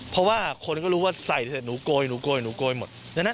เพราะว่าคนก็รู้ว่าใส่ทั้งหนูโกยหมด